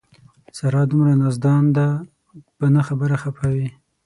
ساره دومره نازدان ده په نه خبره خپه وي.